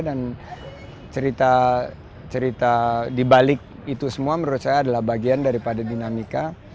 dan cerita di balik itu semua menurut saya adalah bagian daripada dinamika